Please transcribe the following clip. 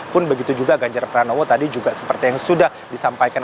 pun begitu juga ganjar pranowo tadi juga seperti yang sudah disampaikan